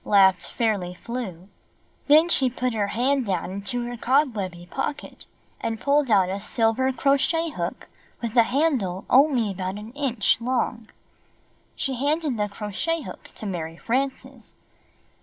laughed Fairly Flew. Then she put her hand down into her cobwebby pocket and pulled out a silver crochet hook with a handle only about an inch long. She handed the crochet hook to Mary Frances.